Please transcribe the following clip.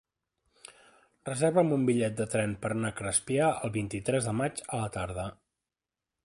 Reserva'm un bitllet de tren per anar a Crespià el vint-i-tres de maig a la tarda.